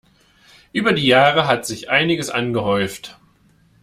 Über die Jahre hat sich einiges angehäuft.